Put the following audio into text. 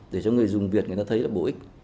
để cho người dùng việt người ta thấy là bổ ích